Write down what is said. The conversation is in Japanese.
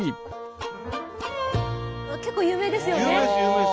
結構有名ですよね。